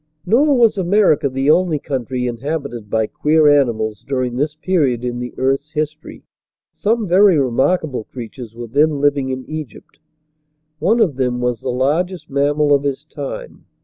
Nor was America the only country inhabited by queer animals during this period in the earth's history. Some very remarkable creatures were then living in Egypt. One of them was the largest mammal of his time.